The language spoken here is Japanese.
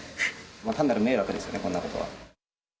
単なる迷惑ですよね、こんなことは。